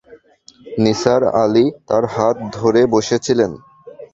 নিসার আলি তার হাত ধরে বসে ছিলেন।